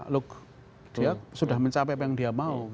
loh dia sudah mencapai apa yang dia mau